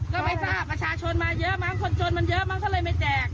ก็ไม่ทราบประชาชนมาเยอะมั้งคนจนมันเยอะมั้งก็เลยไม่แจก